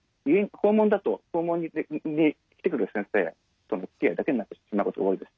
訪問だと訪問に来てくれる先生とのおつきあいだけになってしまうことも多いですし。